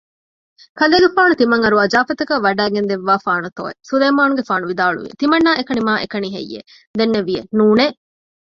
ކަލޭގެފާނު ތިމަން އަރުވާ ޖާފަތަކަށް ވަޑައިގެންދެއްވާފާނޫތޯއެވެ؟ ސުލައިމާނުގެފާނު ވިދާޅުވިއެވެ ތިމަންނާ އެކަނިމާއެކަނިހެއްޔެވެ؟ ދެންނެވިއެވެ ނޫނެއް